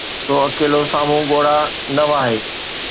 سو اڪيلو، سامهون ڳوڙها نه وهائي.